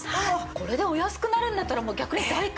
これでお安くなるんだったら逆に大歓迎ですよね。